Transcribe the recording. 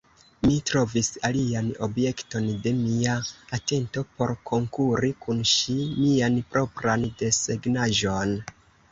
Mi trovis alian objekton de mia atento por konkuri kun ŝi: mian propran desegnaĵon.